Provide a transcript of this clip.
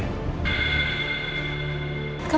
kamu kenapa sih